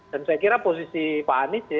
dan saya kira posisi pak anis ya